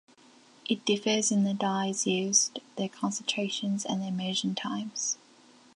It differs in the dyes used, their concentrations, and the immersion times.